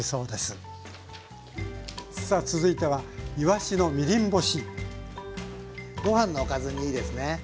さあ続いてはご飯のおかずにいいですね。